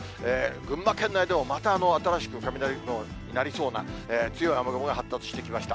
群馬県内でもまた新しく雷雲になりそうな強い雨雲が発達してきました。